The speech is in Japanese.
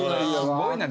すごいな。